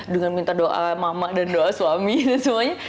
dengan minta doa mama dan doa suami dan semuanya